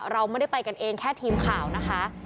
เราไม่ได้ไปกันเองแค่ทีมข่าวนะคะ